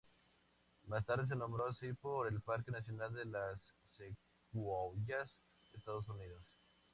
Más tarde se nombró así por el Parque nacional de las Secuoyas, Estados Unidos.